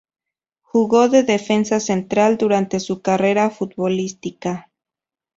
Jugó de defensa central durante su carrera futbolística.